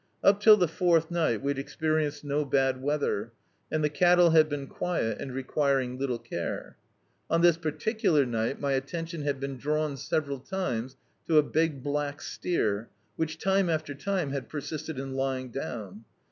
Up till the fourth ni^t we had ei^rienced no [941 D,i.,.db, Google The Cattleman's Office bad weather, and the cattle had been quiet and requiring little care. On this particular night my attention had been drawn several times to a big black steer, which, time after time, had persisted in lying down.